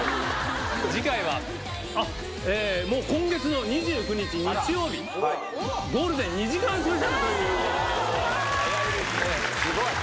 次回は、もう今月の２９日日曜日、ゴールデン２時間スペシャルということでございます。